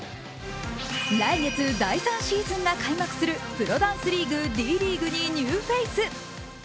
来月第３シーズンが開幕するプロダンスリーグ・Ｄ．ＬＥＡＧＵＥにニューフェイス。